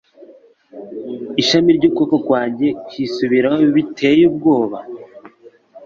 ishami ryukuboko kwanjye kwisubiraho biteye ubwoba